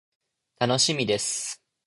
楽しみです。